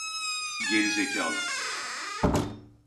Geri zekâlı!